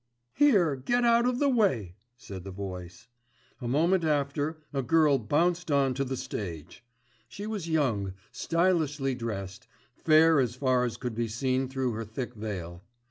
"Here, get out of the way," said the voice. A moment after a girl bounced on to the stage. She was young, stylishly dressed, fair as far as could be seen through her thick veil.